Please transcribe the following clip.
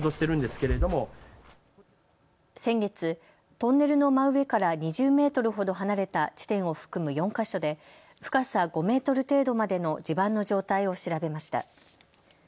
先月、トンネルの真上から２０メートルほど離れた地点を含む４か所で深さ５メートル程度までの地盤の状態を調べました。